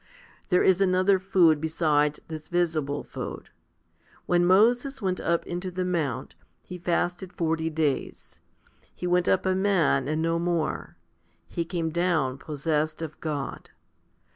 There is another food besides this visible food. When Moses went up into the mount, he fasted forty days. He went up a man and no more ; he came down possessed of God.